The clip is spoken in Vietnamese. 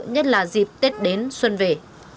nhất là dịp tết đến xuân về